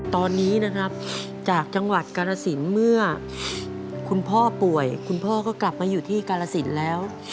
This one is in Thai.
ตอนนี้นะครับจากจังหวัดกาลสินเมื่อคุณพ่อป่วยคุณพ่อก็กลับมาอยู่ที่กาลสินแล้ว